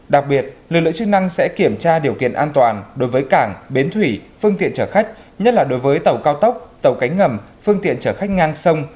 đặc biệt lực lượng chức năng sẽ kiểm tra điều kiện an toàn đối với cảng bến thủy phương tiện chở khách nhất là đối với tàu cao tốc tàu cánh ngầm phương tiện chở khách ngang sông